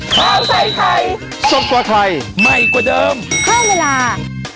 โปรดติดตามตอนต่อไป